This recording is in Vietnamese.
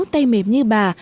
hay mềm như bà